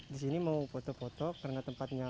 disini mau foto foto karena tempatnya